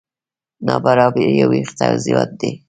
نابرابري او وېش توضیحات دي.